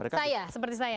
saya seperti saya